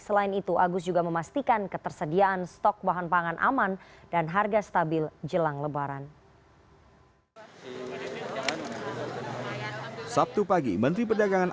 selain itu agus juga memastikan ketersediaan stok bahan pangan aman dan harga stabil jelang lebaran